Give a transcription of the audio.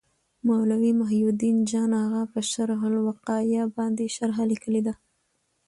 مولوي محي الدین جان اغا په شرح الوقایه باندي شرحه لیکلي ده.